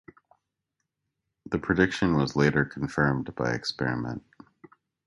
The prediction was later confirmed by experiment.